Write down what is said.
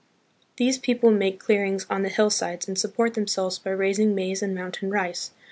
These people make clearings on the hillsides and support themselves by raising maize and mountain rice.